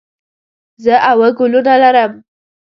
زه اووه ګلونه لرم.